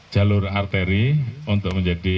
jalur arteri untuk menjadi